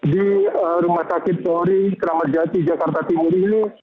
di rumah sakit tori keramat jati jakarta timur ini